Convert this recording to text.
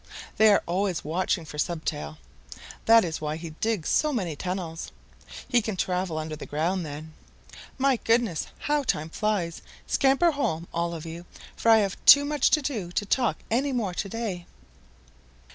They are always watching for Stubtail. That is why he digs so many tunnels. He can travel under the ground then. My goodness, how time flies! Scamper home, all of you, for I have too much to do to talk any more to day."